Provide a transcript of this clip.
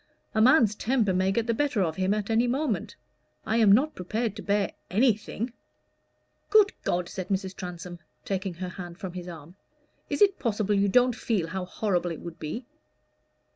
"A man's temper may get the better of him at any moment. I am not prepared to bear anything." "Good God!" said Mrs. Transome, taking her hand from his arm, "is it possible you don't feel how horrible it would be?"